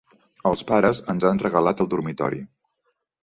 Els pares ens han regalat el dormitori.